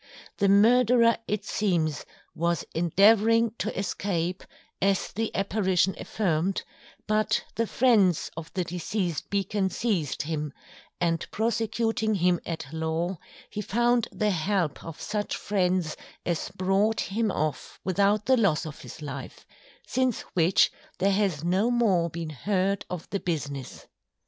The Murderer it seems was endeavouring to Escape, as the Apparition affirm'd, but the Friends of the Deceased Beacon, Seized him; and Prosecuting him at Law, he found the help of such Friends as brought him off without the loss of his Life; since which, there has no more been heard of the Business.